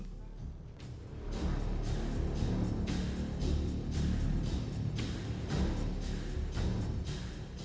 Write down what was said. terus berjalan ke kios